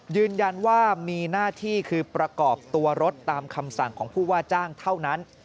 ยืนยันว่ามีหน้าที่คือประกอบตัวรถตามคำสั่งของผู้ว่าจ้างเท่านั้น